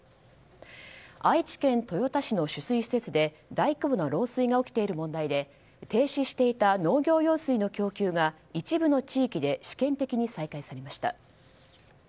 愛知県豊田市の取水施設で大規模な漏水が起きている問題で停止していた農業用水の供給が一部の地域で試験的に再開されました。